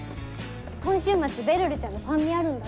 今週末べるるちゃんのファンミあるんだって。